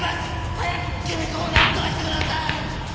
早く貴美子をなんとかしてください！！